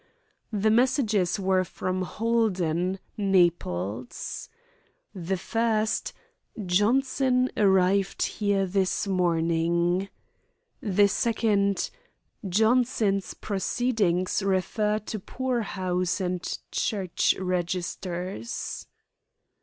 The messages were from Holden, Naples. The first: "Johnson arrived here this morning." The second: "Johnson's proceedings refer to poorhouse and church registers."